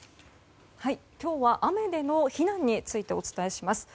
今日は雨での避難についてお伝えします。